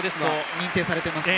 認定されていますね。